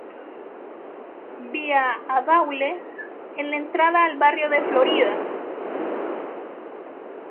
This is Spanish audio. Vía a Daule, en la entrada al barrio de Florida.